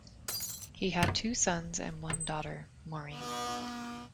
He had two sons and one daughter, Maureen.